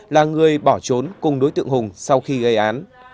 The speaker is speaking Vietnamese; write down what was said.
là người bỏ trốn cùng đối tượng hùng sau khi gây án